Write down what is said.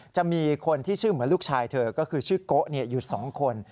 จะมีคนที่ชื่อเหมือนลูกชายเธอก็คือชื่อโกะอยู่๒คน